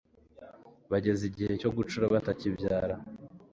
bageze igihe cyo gucura batakibyara